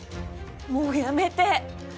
もうやめて。